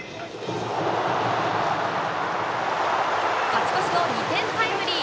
勝ち越しの２点タイムリー。